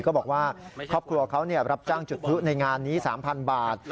ก็บอกว่าครอบครัวเขารับจ้างจุดพลุในงานนี้๓๐๐๐บาท